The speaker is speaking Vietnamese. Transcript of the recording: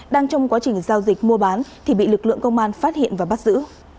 đang trong quá trình giao dịch mua bán thì bị lực lượng công an phát hiện và bắt giữ